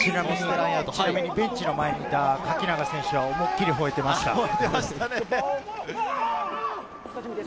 ベンチの前にいた垣永選手は思い切り吠えていましたね。